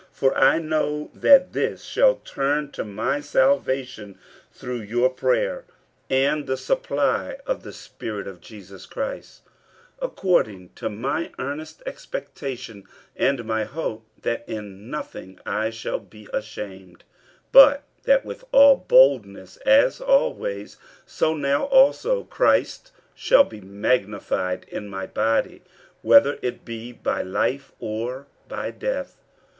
50:001:019 For I know that this shall turn to my salvation through your prayer, and the supply of the Spirit of Jesus Christ, 50:001:020 According to my earnest expectation and my hope, that in nothing I shall be ashamed, but that with all boldness, as always, so now also Christ shall be magnified in my body, whether it be by life, or by death.